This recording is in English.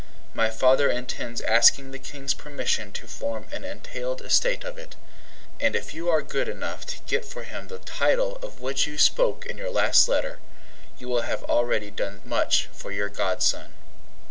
My father intends asking the King's permission to form an entailed estate of it; and if you are good enough to get for him the title of which you spoke in your last letter, you will have already done much for your godson.